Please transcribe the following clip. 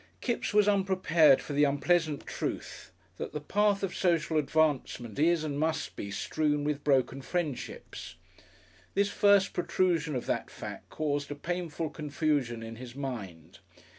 Kipps was unprepared for the unpleasant truth; that the path of social advancement is and must be strewn with broken friendships. This first protrusion of that fact caused a painful confusion in his mind.